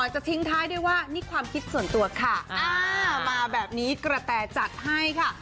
จะทิ้งท้ายด้วยว่านี่ความคิดส่วนตัวค่ะอ่ามาแบบนี้กระแต่จัดให้ค่ะ